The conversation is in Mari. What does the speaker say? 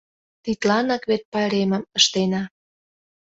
Тидланак вет пайремым ыштена.